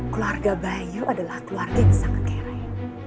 keluarga bayu adalah keluarga yang sangat kaya reva